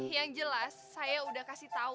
yang jelas saya udah kasih tau